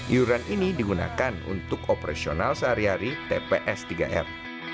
iuran ini digunakan untuk operasional sehari hari tps tiga r